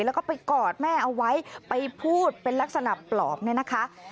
แล้วก็ไปกอดแม่เอาไว้ไปพูดเป็นลักษณะปลอบเนี่ยนะคะ